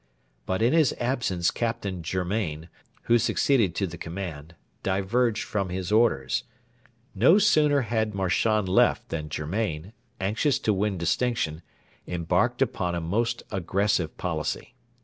But in his absence Captain Germain, who succeeded to the command, diverged from his orders, No sooner had Marchand left than Germain, anxious to win distinction, embarked upon a most aggressive policy.